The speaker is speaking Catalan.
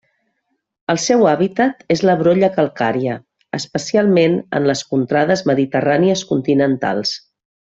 El seu hàbitat és la brolla calcària, especialment en les contrades mediterrànies continentals.